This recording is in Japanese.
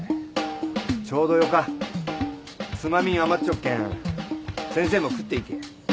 ちょうどよかつまみん余っちょっけん先生も食っていけ。